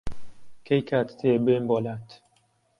کەی کاتت هەیە بێم بۆلات؟